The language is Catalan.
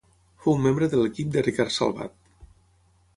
Fou membre de l'equip de Ricard Salvat.